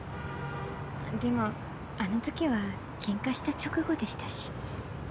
でもあのときは喧嘩した直後でしたし。